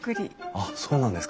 あっそうなんです。